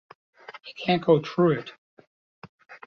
You can't go t'rough it.